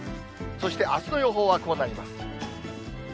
そしてあすの予報はこうなります。